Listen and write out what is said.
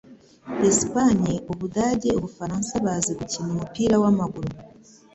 Espagne, Ubudage, Ubufaransa bazi gukina umupira wamaguru